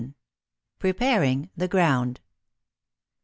PREPARING THE GROUND.